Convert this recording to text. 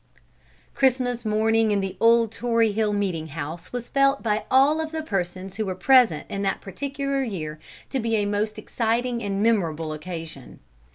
Christmas morning in the old Tory Hill Meeting House was felt by all of the persons who were present in that particular year to be a most exciting and memorable occasion.